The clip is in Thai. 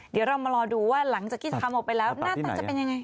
เดี๋ยวเรามารอดูว่าหลังจากที่ทำออกไปแล้วหน้าตาจะเป็นยังไง